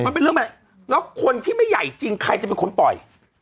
มันเป็นเรื่องใหม่แล้วคนที่ไม่ใหญ่จริงใครจะเป็นคนปล่อย